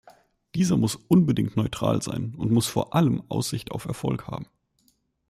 Dieser muss unbedingt neutral sein, und muss vor allem Aussicht auf Erfolg haben.